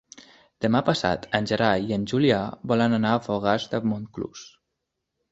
Demà passat en Gerai i en Julià volen anar a Fogars de Montclús.